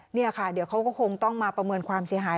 นี่ค่ะเดี๋ยวเขาก็คงต้องมาประเมินความเสียหาย